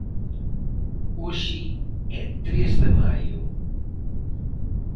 Hoxe é tres de maio.